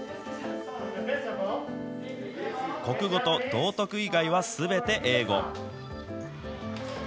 国語と道徳以外はすべて英語。